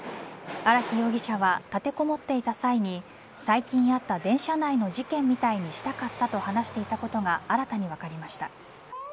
荒木容疑者は立てこもっていた際に最近あった電車内の事件みたいにしたかったと話していたことが新たに分かりました。